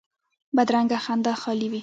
بدرنګه خندا خالي وي